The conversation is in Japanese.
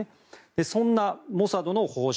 そんなモサドの方針